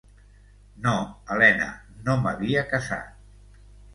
No, Elena, no m'havia casat.